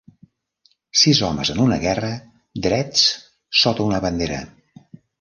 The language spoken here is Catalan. Sis homes en una guerra drets sota una bandera.